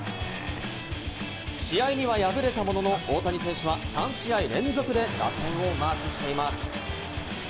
試合には敗れたものの、大谷選手は３試合連続でタイムリーをマークしています。